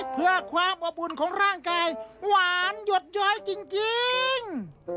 เพื่อความอบอุ่นของร่างกายหวานหยดย้อยจริง